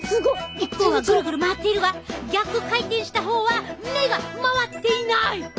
一方はぐるぐる回っているが逆回転した方は目が回っていない！